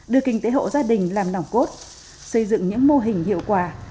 đưa kinh tế hộ gia đình làm nòng cốt xây dựng những mô hình hiệu quả